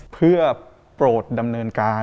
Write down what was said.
เพื่อโปรดดำเนินการ